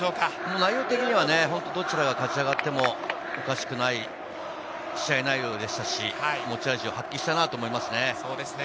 内容的にはどちらが勝ち上がってもおかしくない試合内容でしたし、持ち味を発揮したなと思います。